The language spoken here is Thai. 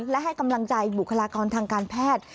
และให้กำลังใจบุคลากรทางการแพทย์